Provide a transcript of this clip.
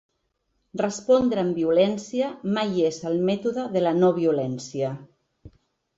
Respondre amb violència mai és el mètode de la no-violència.